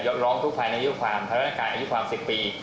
ยอมร้องทุกข์ภายในอายุความเนื่อร้ันงานอายุความ๑๐ปี